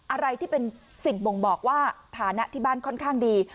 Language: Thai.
อะไรที่เป็นสิ่งบ่งบอกว่าฐานะที่บ้านค่อนข้างดี